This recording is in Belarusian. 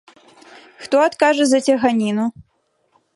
Хто адкажа за цяганіну?